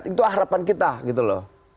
itu harapan kita gitu loh